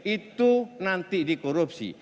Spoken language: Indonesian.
itu nanti dikorupsi